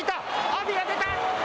阿炎が出た！